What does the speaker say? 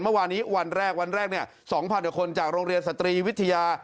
เมื่อวานนี้วันแรกวันแรก๒๐๐กว่าคนจากโรงเรียนสตรีวิทยา